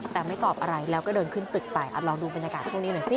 แต่ไม่ตอบอะไรแล้วก็เดินขึ้นตึกไปลองดูบรรยากาศช่วงนี้หน่อยสิ